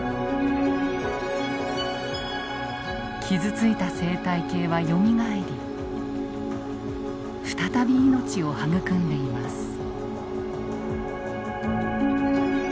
傷ついた生態系はよみがえり再び命を育んでいます。